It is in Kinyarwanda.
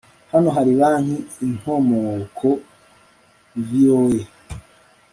Hano hari banki InkomokoVOA